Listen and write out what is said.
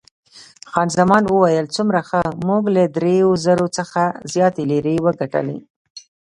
خان زمان وویل، څومره ښه، موږ له دریو زرو څخه زیاتې لیرې وګټلې.